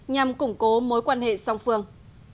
nhằm củng cố mối quan hệ song phương